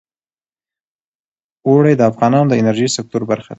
اوړي د افغانستان د انرژۍ سکتور برخه ده.